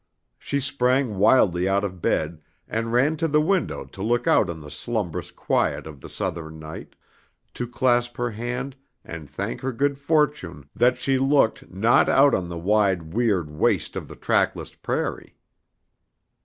She sprang wildly out of bed and ran to the window to look out on the slumbrous quiet of the Southern night, to clasp her hand and thank her good fortune that she looked not out on the wide weird waste of the trackless prairie.